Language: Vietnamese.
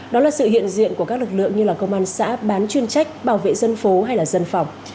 đó là sự hiện diện của các lực lượng như là công an xã bán chuyên trách bảo vệ dân phố hay là dân phòng